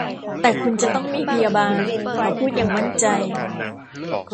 แต่คุณจะต้องมีพยาบาล เขาพูดอย่างมั่นใจ